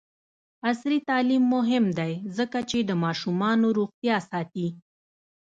عصري تعلیم مهم دی ځکه چې د ماشومانو روغتیا ساتي.